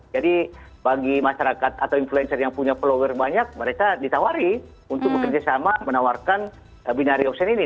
jadi bagi masyarakat atau influencer yang punya followers banyak mereka ditawari untuk bekerja sama menawarkan binary option ini